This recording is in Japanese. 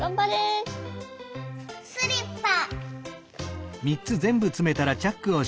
スリッパ！